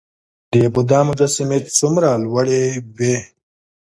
د بودا مجسمې څومره لوړې وې؟